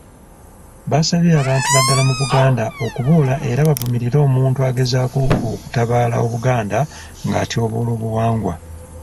Basabye abantu naddala mu Buganda okuboola era bavumirire omuntu agezaako okutabaala Obuganda ng'atyoboola obuwangwa.